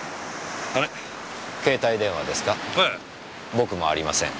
僕もありません。